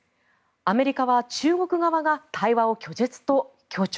アメリカは中国側が対話を拒絶と強調。